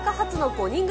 ５人組